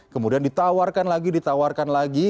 kemudian ditawarkan lagi ditawarkan lagi